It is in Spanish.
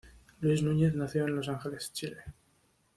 Luis Núñez nació en Los Ángeles, Chile.